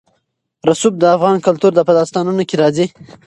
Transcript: رسوب د افغان کلتور په داستانونو کې راځي.